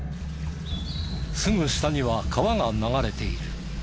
すぐ下には川が流れている。